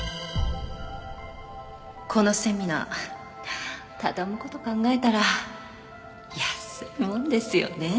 このセミナー畳む事考えたら安いもんですよね。